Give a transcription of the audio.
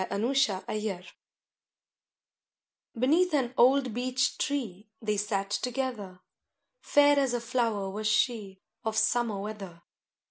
A FOREST IDYL I Beneath an old beech tree They sat together, Fair as a flower was she Of summer weather.